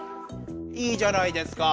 いいじゃないですか。